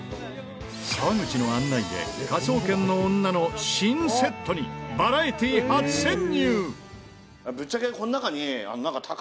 沢口の案内で『科捜研の女』の新セットにバラエティー初潜入！